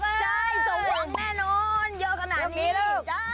ใช่ต้องวังแน่นอนเยอะขนาดนี้